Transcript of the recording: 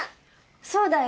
そうだよ。